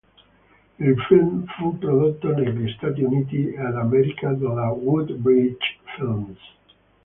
Il film fu prodotto negli Stati Uniti d'America dalla Woodbridge Films.